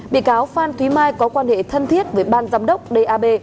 bị cáo phan thúy mai có quan hệ thân thiết với ban giám đốc d a b